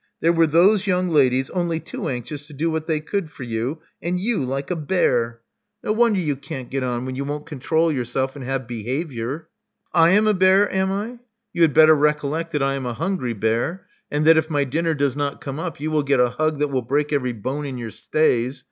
There were those young ladies only too anxious to do what they could for you, and you like a bear. No Love Among the Artists 99 wonder you can't get on, when you won't control your self and have behavior." I am a bear, am I? You had better recollect that I am a hungry bear, and that if my dinner does not come up, you will get a hug that will break every bone in your stays.